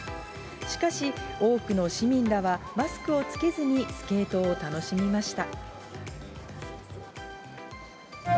しかし、多くの市民らはマスクを着けずにスケートを楽しみました。